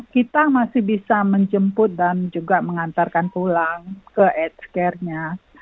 kita masih bisa menjemput dan juga mengantarkan pulang ke ed scare nya